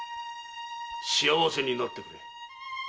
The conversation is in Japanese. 幸せになってくれ。